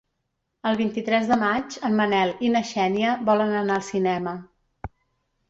El vint-i-tres de maig en Manel i na Xènia volen anar al cinema.